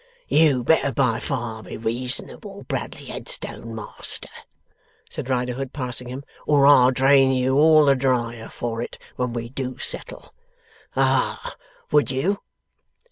'You'd better by far be reasonable, Bradley Headstone, Master,' said Riderhood, passing him, 'or I'll drain you all the dryer for it, when we do settle. Ah! Would you!